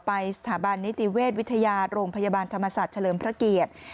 ไปสถาบันนิติเวชวิทยาโรงพยาบาลธรรมศาสตร์เฉลิมพระเกียรติ